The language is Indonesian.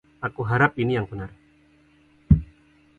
Aku harap ini yang benar.